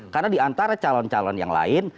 karena diantara calon calon yang lain